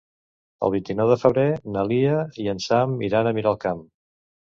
El vint-i-nou de febrer na Lia i en Sam iran a Miralcamp.